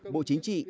bộ chính trị